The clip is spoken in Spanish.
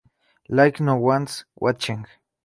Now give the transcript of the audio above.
Like No One's Watching